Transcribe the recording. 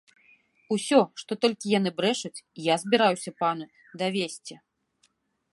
Усё, што толькі яны брэшуць, я збіраюся пану давесці!